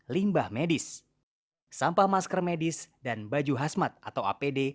limbah medis sampah masker medis dan baju khasmat atau apd